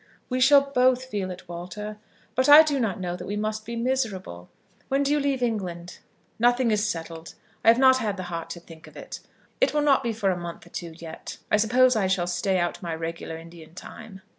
"We shall both feel it, Walter; but I do not know that we must be miserable. When do you leave England?" "Nothing is settled. I have not had the heart to think of it. It will not be for a month or two yet. I suppose I shall stay out my regular Indian time."